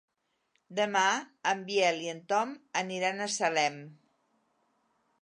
Demà en Biel i en Tom aniran a Salem.